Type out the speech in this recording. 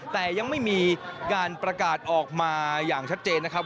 แต่ยังไม่มีการประกาศออกมาอย่างชัดเจนนะครับ